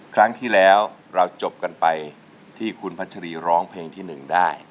ครั้งที่แล้วเราจบกันไปที่คุณพัชรีร้องเพลงที่๑ได้